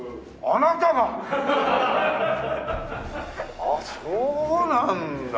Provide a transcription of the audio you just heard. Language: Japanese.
あっそうなんだ。